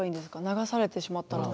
流されてしまったら。